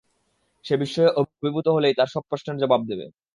সে বিস্ময়ে অভিভূত হলেই তাঁর সব প্রশ্নের জবাব দেবে।